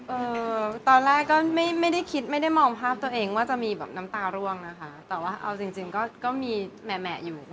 อืมตอนแรกก็ไม่ได้มองภาพตัวเองจะมีน้ำตาล่วงแต่ว่าเอาจริงก็มีแหมอยู่